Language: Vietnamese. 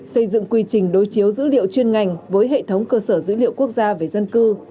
xây dựng quy trình đối chiếu dữ liệu chuyên ngành với hệ thống cơ sở dữ liệu quốc gia về dân cư